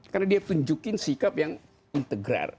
karena dia tunjukin sikap yang integrer